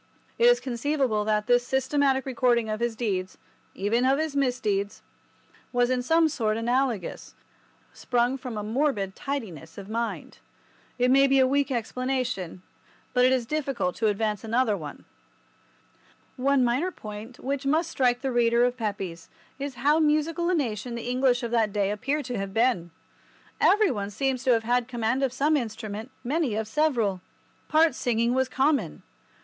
It is conceivable that this systematic recording of his deeds—even of his misdeeds—was in some sort analogous, sprung from a morbid tidiness of mind. It may be a weak explanation, but it is difficult to advance another one. One minor point which must strike the reader of Pepys is how musical a nation the English of that day appear to have been. Every one seems to have had command of some instrument, many of several. Part singing was common.